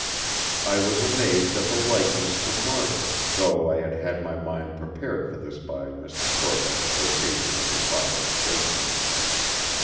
I was amazed at the likeness to Margaret, though I had had my mind prepared for this by Mr. Corbeck's quotation of her father's statement.